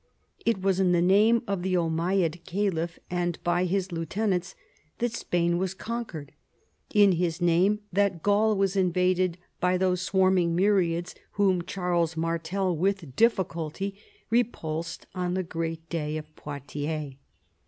It was in the name of the Ommayad caliph and by his lieutenants that Spain was conquered ; in liis name that Gaul was invaded by those swarm ing myriads whom Charles Martel with diiRculty repulsed on the great day of Poitiers.